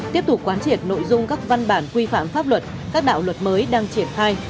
tiếp tục quán triệt nội dung các văn bản quy phạm pháp luật các đạo luật mới đang triển khai